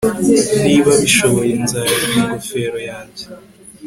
Niba abishoboye nzarya ingofero yanjye